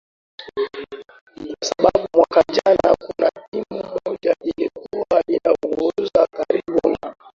kwa sababu mwaka jana kuna timu moja ilikuwa inaongoza karibu na